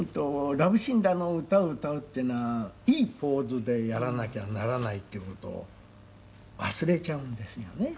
「ラブシーンで歌を歌うっていうのはいいポーズでやらなきゃならないっていう事を忘れちゃうんですよね」